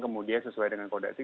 kemudian sesuai dengan kode etik